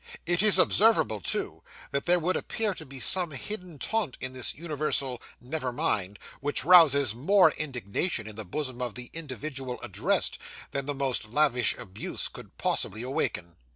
It is observable, too, that there would appear to be some hidden taunt in this universal 'Never mind,' which rouses more indignation in the bosom of the individual addressed, than the most lavish abuse could possibly awaken.